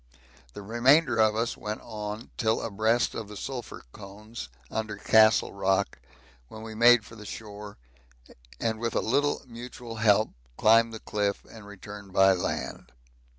The remainder of us went on till abreast of the sulphur cones under Castle Rock, when we made for the shore, and with a little mutual help climbed the cliff and returned by land.